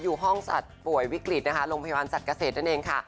อยู่ห้องสัตว์ป่วยวิกฤตลงพิวารสัตว์เกษตรนั่นเองค่ะ